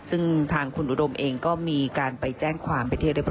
ซึ่งทางคุณอุดมเองก็มีการไปแจ้งความไปเรียบร้อยแล้วค่ะ